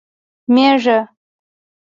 🐑 مېږه